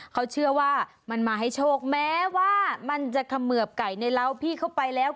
เขาเชื่อว่ามันมาให้โชคแม้ว่ามันจะเขมือบไก่ในร้าวพี่เข้าไปแล้ว